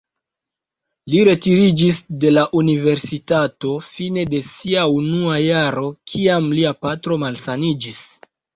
Li retiriĝis de la universitato fine de sia unua jaro, kiam lia patro malsaniĝis.